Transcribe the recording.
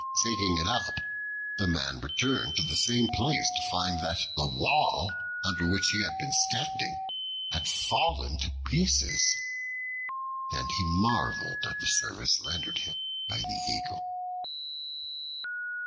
Taking it up, the man returned to the same place, to find that the wall under which he had been sitting had fallen to pieces; and he marveled at the service rendered him by the Eagle.